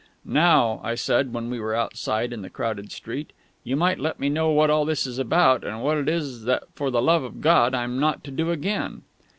"Now," I said, when we were outside in the crowded street, "you might let me know what all this is about, and what it is that for the love of God I'm not to do again."